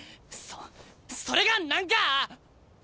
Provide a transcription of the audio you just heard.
そそれが何か！？